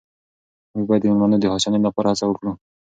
موږ باید د مېلمنو د هوساینې لپاره هڅه وکړو.